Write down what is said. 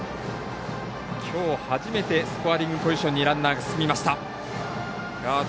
きょう初めてスコアリングポジションにランナーが進みました。